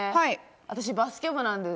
私バスケ部なんで。